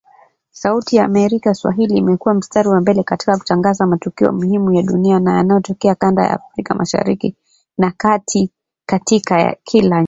Sauti ya Amerika Swahili imekua mstari wa mbele katika kutangaza matukio muhimu ya dunia na yanayotokea kanda ya Afrika Mashariki na Kati katika kila nyanja.